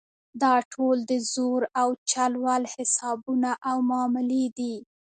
دا ټول د زور او چل ول حسابونه او معاملې دي.